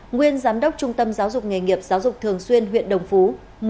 nguyên giám đốc trung tâm giáo dục nghề nghiệp giáo dục thường xuyên huyện đồng phú một mươi năm tù giam